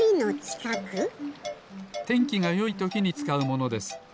てんきがよいときにつかうものです。